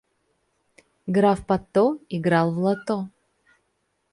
Граф Патто играл в лото.